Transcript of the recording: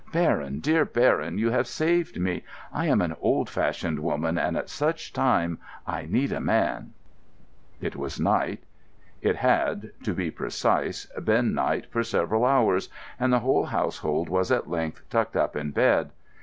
Baron, dear Baron, you have saved me. I am an old fashioned woman, and at such a time I need a man...." It was night. It had, to be precise, been night for several hours, and the whole household was at length tucked up in bed.